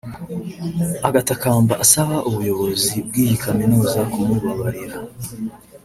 agatakamba asaba ubuyobozi bw’iyi Kaminuza kumubabarira